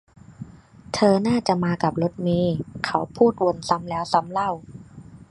เธอน่าจะมากับรถเมย์ เขาพูดวนซ้ำแล้วซ้ำเล่า